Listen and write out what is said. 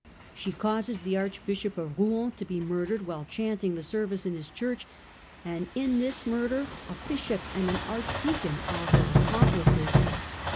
She causes the Archbishop of Eouen to be murdered while chanting the service in his church ; and in this murder a bishop and an archdeacon are her accomplices.